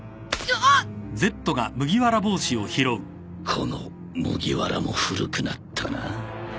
この麦わらも古くなったな。